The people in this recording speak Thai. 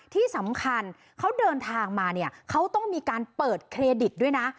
ที่สำคัญเขาเดินทางมาเนี่ยเขาต้องมีการเปิดเครดิตด้วยนะ